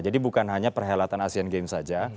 jadi bukan hanya perhelatan asean games saja